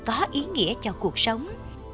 có ý nghĩa cho cuộc sống